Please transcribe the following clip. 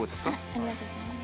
ありがとうございます。